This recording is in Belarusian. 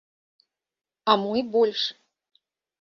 А мо і больш.